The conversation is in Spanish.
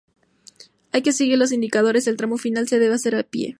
Hay que seguir los indicadores, el tramo final se debe hacer a pie.